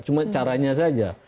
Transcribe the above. cuma caranya saja